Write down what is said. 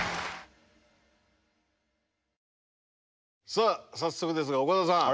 さあ早速ですが岡田さん